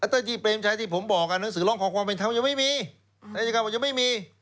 เต้นที่เบรมชัยที่ผมบอกหนังสือร่องของความเป็นเท้ายังไม่มี